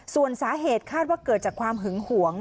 ส่วนสาเหตุคาดว่าเกิดจากความหึงหวง